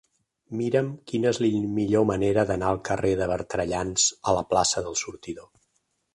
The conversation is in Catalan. Mira'm quina és la millor manera d'anar del carrer de Bertrellans a la plaça del Sortidor.